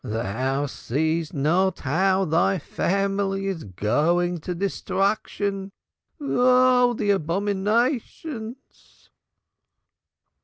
Thou seest not how thy family is going to destruction. Oh, the abominations!"